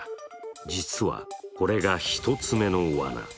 実は、これが１つ目のわな。